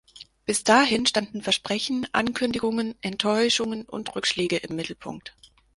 Bis dahin standen Versprechen, Ankündigungen, Enttäuschungen und Rückschläge im Mittelpunkt.